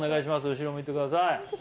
後ろ向いてください。